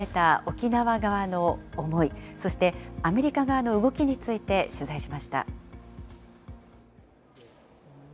初の海外展示に込めた沖縄側の思い、そしてアメリカ側の動きについて取材しました。